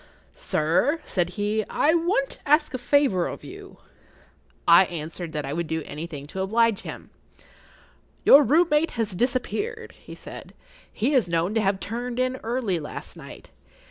"Sir," said he, "I want to ask a favour of you." I answered that I would do anything to oblige him. "Your room mate has disappeared,"[Pg 30] he said. "He is known to have turned in early last night.